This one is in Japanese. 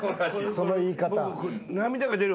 その言い方。